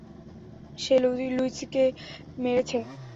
সে লুইসকে মেরেছে!